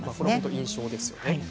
印象ですね。